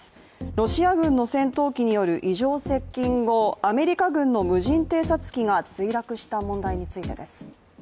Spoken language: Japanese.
ロシア軍の戦闘機による異常接近後、アメリカ軍の無人偵察機が墜落した問題についてです。